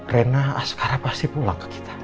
reina sekarang pasti pulang ke kita